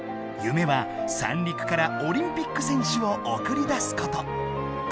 夢は三陸からオリンピック選手をおくり出すこと！